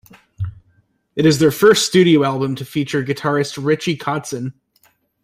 It is their first studio album to feature guitarist Richie Kotzen.